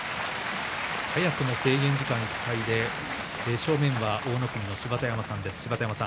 早くも制限時間いっぱいで正面は大乃国の芝田山さんです。